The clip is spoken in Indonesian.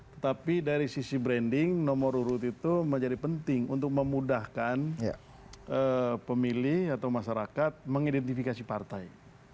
tetapi dari sisi branding nomor urut itu menjadi penting untuk memudahkan pemilih atau masyarakat mengidentifikasi partai